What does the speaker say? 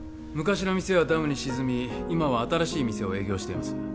昔の店はダムに沈み今は新しい店を営業しています